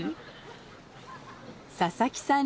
佐々木さん